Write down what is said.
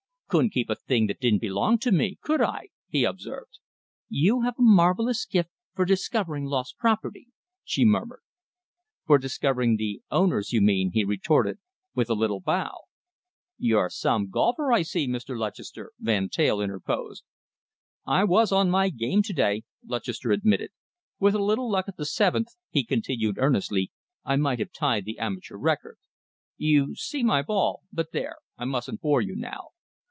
"Couldn't keep a thing that didn't belong to me, could I?" he observed. "You have a marvellous gift for discovering lost property," she murmured. "For discovering the owners, you mean," he retorted, with a little bow. "You're some golfer, I see, Mr. Lutchester," Van Teyl interposed. "I was on my game to day," Lutchester admitted. "With a little luck at the seventh," he continued earnestly, "I might have tied the amateur record. You see, my ball but there, I mustn't bore you now.